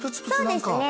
そうですね。